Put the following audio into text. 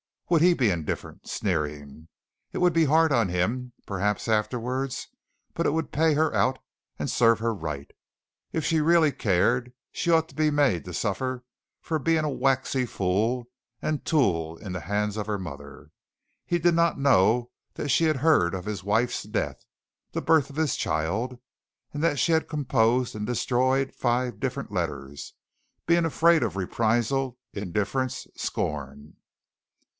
Would he be indifferent, sneering? It would be hard on him, perhaps, afterwards, but it would pay her out and serve her right. If she really cared, she ought to be made to suffer for being a waxy fool and tool in the hands of her mother. He did not know that she had heard of his wife's death the birth of his child and that she had composed and destroyed five different letters, being afraid of reprisal, indifference, scorn.